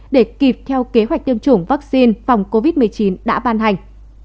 để kịp theo kế hoạch tiêm chủng vaccine phòng covid một mươi chín đã ban hành